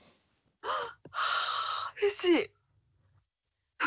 あっうれしい！